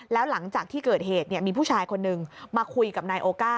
แล้วหลังจากที่เกิดเหตุมีผู้ชายคนหนึ่งมาคุยกับนายโอก้า